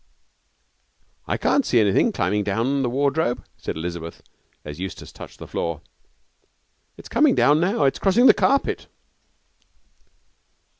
'I can't see anything climbing down the wardrobe,' said Elizabeth, as Eustace touched the floor. 'It's come down now. It's crossing the carpet.'